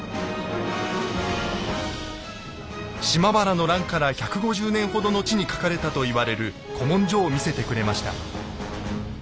島原の乱から１５０年ほど後に書かれたと言われる古文書を見せてくれました。